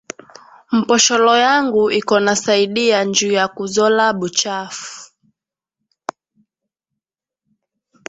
Mposholo yangu iko na saidia nju ya ku zola buchafu